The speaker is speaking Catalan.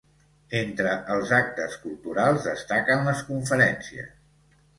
Entre els actes culturals destaquen les conferències.